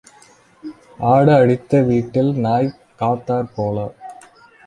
ஆடு அடித்த வீட்டில், நாய் காத்தாற் போல.